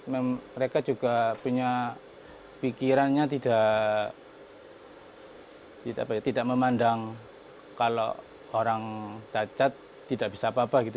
mereka juga punya pikirannya tidak memandang kalau orang cacat tidak bisa apa apa gitu